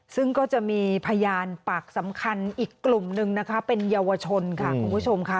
ซึ่งก็จะมีพยานปากสำคัญอีกกลุ่มนึงนะคะเป็นเยาวชนค่ะคุณผู้ชมค่ะ